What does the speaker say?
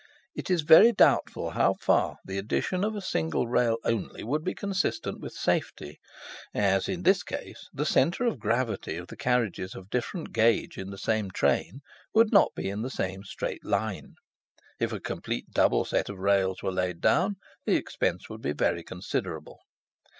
It is very doubtful how far the addition of a single rail only would be consistent with safety, as in this case the centre of gravity of the carriages of different gauge in the same train would not be in the same straight line. If a complete double set of rails were laid down the expense would be very considerable.